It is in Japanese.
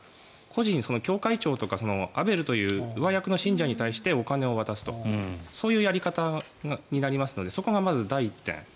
個人、教会長とかアベルという上役の信者に対してお金を渡すとそういうやり方になりますのでそこがまず第１点。